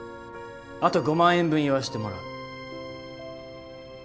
あと５万円分言わしてもらう。